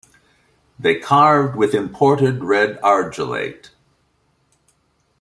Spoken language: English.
They carved with imported red argillate.